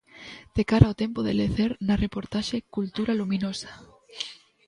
De cara ao tempo de lecer, na reportaxe 'Cultura luminosa'.